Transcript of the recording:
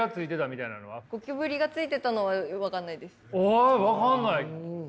あ分かんない？